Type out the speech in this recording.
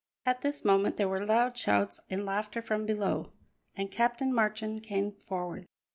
At this moment there were loud shouts and laughter from below, and Captain Marchand came forward.